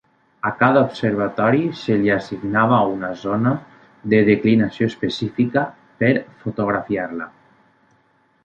A cada observatori se li assignava una zona de declinació específica per fotografiar-la.